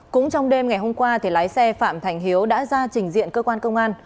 cũng trong đêm ngày hôm qua lái xe phạm thành hiếu đã ra trình diện cơ quan công an